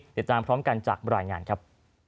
เดี๋ยวจามพร้อมกันจากบริหารงานครับ